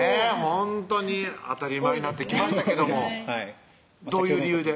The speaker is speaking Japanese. ほんとに当たり前になってきましたけどもどういう理由で？